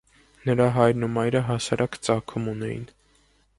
Նրա հայրն ու մայրը հասարակ ծագում ունեին։